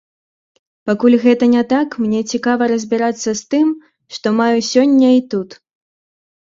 Пакуль гэта не так, мне цікава разбірацца з тым, што маю сёння і тут.